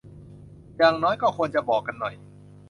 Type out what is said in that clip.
อย่างน้อยก็ควรจะบอกกันหน่อย